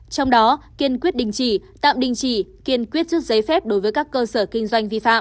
trong đó kiên quyết đình chỉ tạm đình chỉ kiên quyết rút giấy phép đối với các cơ sở kinh doanh vi phạm